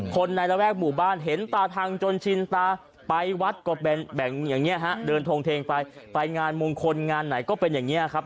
ในระแวกหมู่บ้านเห็นตาทางจนชินตาไปวัดก็แบ่งอย่างนี้ฮะเดินทงเทงไปไปงานมงคลงานไหนก็เป็นอย่างนี้ครับ